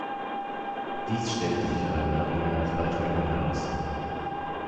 Dies stellte sich aber im Nachhinein als Falschmeldung heraus.